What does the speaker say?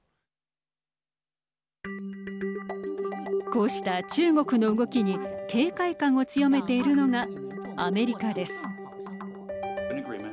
こうした中国の動きに警戒感を強めているのがアメリカです。